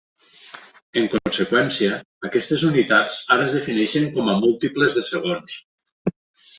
En conseqüència, aquestes unitats ara es defineixen com a múltiples de segons.